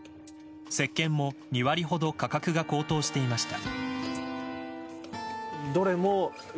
石けんも２割ほど価格が高騰していました。